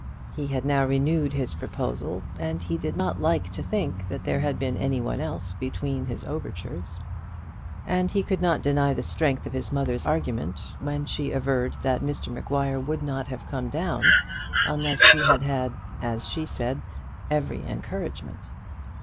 He had now renewed his proposal, and he did not like to think that there had been any one else between his overtures. And he could not deny the strength of his mother's argument when she averred that Mr Maguire would not have come down there unless he had had, as she said, every encouragement.